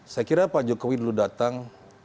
saya kira pak jokowi dulu datang